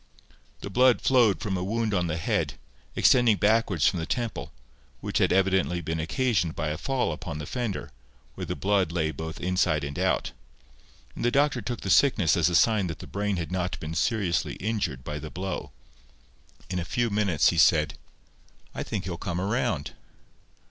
The blood flowed from a wound on the head, extending backwards from the temple, which had evidently been occasioned by a fall upon the fender, where the blood lay both inside and out; and the doctor took the sickness as a sign that the brain had not been seriously injured by the blow. In a few minutes he said— "I think he'll come round."